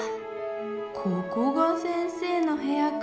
ここが先生の部屋か。